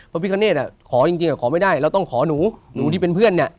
พระพี่ขณฑ์อ่ะขอจริงอ่ะขอไม่ได้เราต้องขอหนูหนูที่เป็นเพื่อนเนี่ย